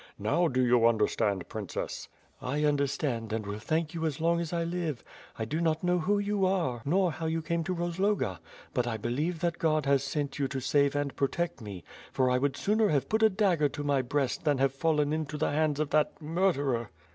Now do you understand, princess?" "I understand and will thank you as long as I live. I do not know who you are, nor how you came to Rozloga; but I believe that God has sent you to save and protect me, for I would sooner have put a dagger to my breast than have fallen into the hands of that murderer."